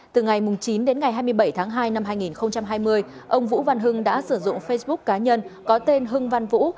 từ ngày chín đến ngày hai mươi bảy tháng hai năm hai nghìn hai mươi ông vũ văn hưng đã sử dụng facebook cá nhân có tên hưng văn vũ